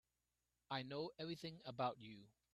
I know everything about you.